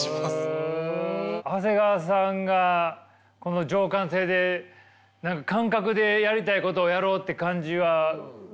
長谷川さんがこの情感性で何か感覚でやりたいことをやろうって感じは受け取れました。